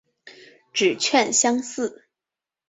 指券相似。